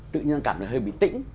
tự nhiên cảm thấy hơi bị tĩnh